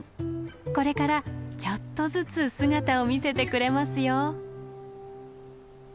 これからちょっとずつ姿を見せてくれますよ。